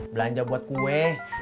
belanja buat kue